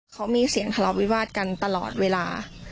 เขามีเสียงทะเลาวิวาสกันตลอดเวลา